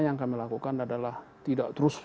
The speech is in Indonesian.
yang kami lakukan adalah tidak terus